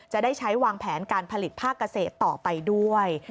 จะได้ใช้วางแผนการผลิตภาคเกษตรต่อไปด้วย